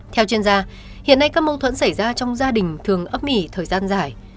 theo chuyên gia hiện nay các mâu thuẫn xảy ra trong gia đình thường ấp mỉ thời gian dài